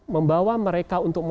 membawa mereka untuk